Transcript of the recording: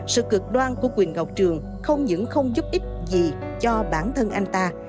sự cực đoan của quyền ngọc trường không những không giúp ích gì cho bản thân anh ta